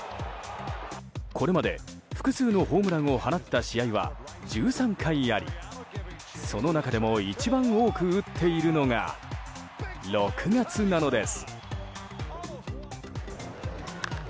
これまで複数のホームランを放った試合は１３回ありその中でも一番多く打っているのが６月なのです。